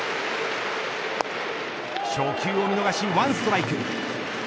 初球を見逃しワンストライク。